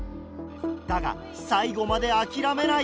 だが最後まで諦めない。